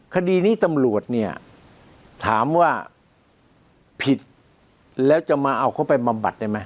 คดีนี้ตำรวจเนี่ยถามว่าผิดแล้วจะมาเอาเขาไปบำบัดได้ไหม